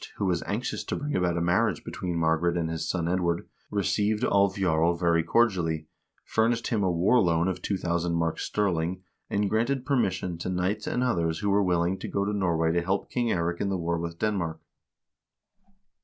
who was anxious to bring about a marriage between Margaret and his son Edward, received Alv Jarl very cordially, furnished him a war loan of 2000 marks sterling, and granted permission to knights and others who were willing, to go to Norway to help King Eirik in the war with Denmark.